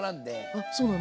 あそうなの？